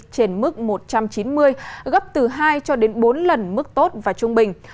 trên mức một trăm chín mươi gấp từ hai cho đến bốn lần mức tốt và trung bình